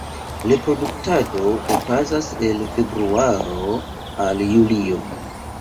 Reproduktado okazas el februaro al julio.